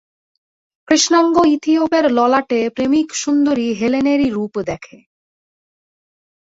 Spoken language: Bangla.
কৃষ্ণাঙ্গ ইথিওপের ললাটে প্রেমিক সুন্দরী হেলেনেরই রূপ দেখে।